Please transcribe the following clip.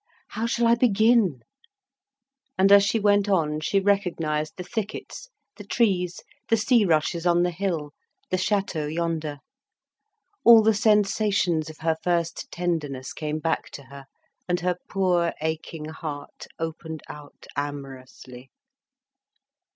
How shall I begin?" And as she went on she recognised the thickets, the trees, the sea rushes on the hill, the château yonder. All the sensations of her first tenderness came back to her, and her poor aching heart opened out amorously.